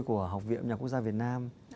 của học viện nhạc quốc gia việt nam